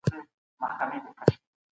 د سياسي لاملونو کنټرول خورا ستونزمن کار دی.